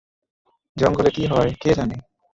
জঙ্গলে কি হয় কে জানে?